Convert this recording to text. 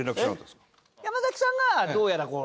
山崎さんがどうやらこう。